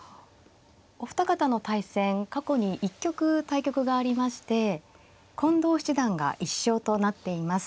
お二方の対戦過去に１局対局がありまして近藤七段が１勝となっています。